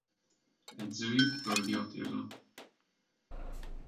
Edzőjük Földi Attila.